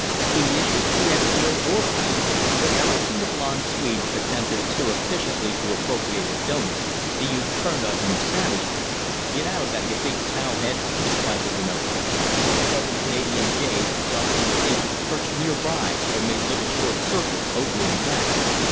He issued peremptory orders. When Erickson, the blonde Swede, attempted surreptitiously to appropriate a doughnut, the youth turned on him savagely. "Get out of that, you big tow head!" he cried with an oath. A dozen Canada jays, fluffy, impatient, perched near by or made little short circles over and back.